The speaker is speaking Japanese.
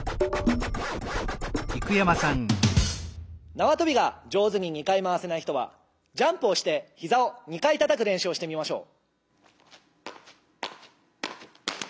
なわとびが上手に２回まわせない人はジャンプをしてひざを２回たたくれんしゅうをしてみましょう。